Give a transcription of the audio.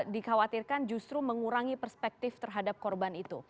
dikhawatirkan justru mengurangi perspektif terhadap korban itu